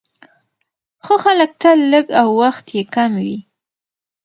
ښه خلک تل لږ او وخت يې کم وي،